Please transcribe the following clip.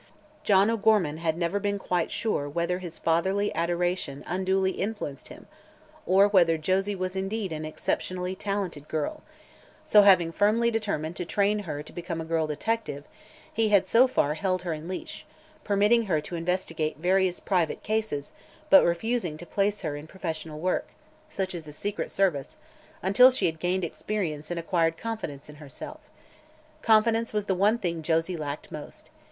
John O'Gorman had never been quite sure whether his fatherly adoration unduly influenced him or whether Josie was indeed an exceptionally talented girl; so, having firmly determined to train her to become a girl detective, he had so far held her in leash, permitting her to investigate various private cases but refusing to place her in professional work such as the secret service until she had gained experience and acquired confidence in herself. Confidence was the one thing Josie lacked most.